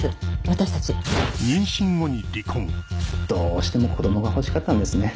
私たちどうしても子供が欲しかったんですね